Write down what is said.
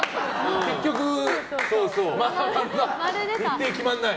結局、日程が決まらない。